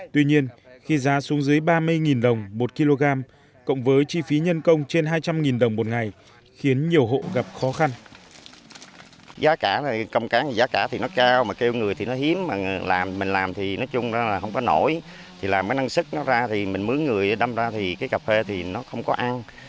tuy nhiên khi giá xuống dưới ba mươi đồng một kg cộng với chi phí nhân công trên hai trăm linh đồng một ngày khiến nhiều hộ gặp khó khăn